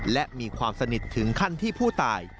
และมีความสนิทถึงขั้นที่ผู้ตาย